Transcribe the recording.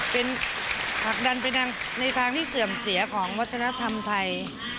เป็นผลักดันไปในทางที่เสื่อมเสียของวัฒนธรรมไทย